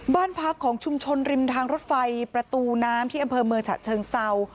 บ้านพักของชุมชนริมทางรถไฟประตูน้ำที่อำเภอเมืองฉะเชิงเศร้า